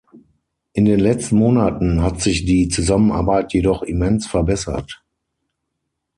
In den letzten Monaten hat sich die Zusammenarbeit jedoch immens verbessert.